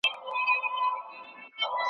استاد وایي چې بې له مینې ژوند بې مانا دی.